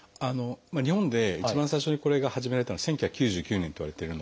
日本で一番最初にこれが始められたのは１９９９年といわれてるので。